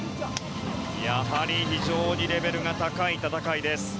やはり非常にレベルの高い戦いです。